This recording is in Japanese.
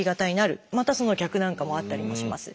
またその逆なんかもあったりもします。